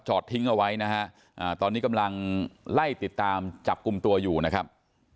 ทิ้งเอาไว้นะฮะตอนนี้กำลังไล่ติดตามจับกลุ่มตัวอยู่นะครับ